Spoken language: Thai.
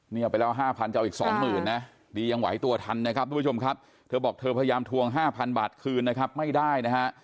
เอาไปแล้ว๕๐๐จะเอาอีก๒๐๐๐นะดียังไหวตัวทันนะครับทุกผู้ชมครับเธอบอกเธอพยายามทวง๕๐๐บาทคืนนะครับไม่ได้นะฮะ